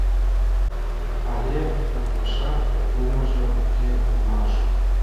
Але ужашат кумылжо уке улмаш.